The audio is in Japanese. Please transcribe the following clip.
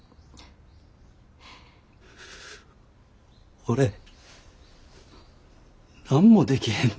俺何もできへんで。